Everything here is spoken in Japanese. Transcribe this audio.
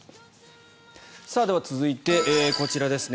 では、続いてこちらですね。